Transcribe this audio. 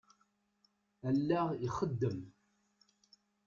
Allaɣ ixeddem.